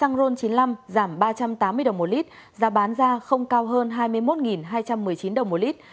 giá bán ra không cao hơn hai mươi một hai trăm một mươi chín đồng một lit